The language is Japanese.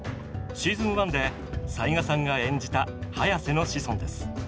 シーズン１で斎賀さんが演じたハヤセの子孫です。